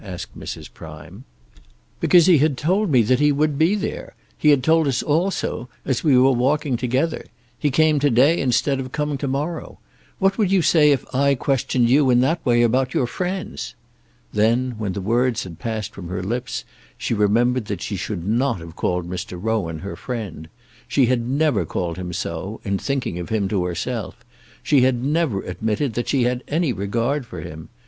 asked Mrs. Prime. "Because he had told me that he would be there; he had told us all so, as we were walking together. He came to day instead of coming to morrow. What would you say if I questioned you in that way about your friends?" Then, when the words had passed from her lips, she remembered that she should not have called Mr. Rowan her friend. She had never called him so, in thinking of him, to herself. She had never admitted that she had any regard for him.